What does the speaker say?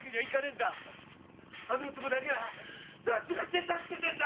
あの男だけは何とかして助けてえんだ！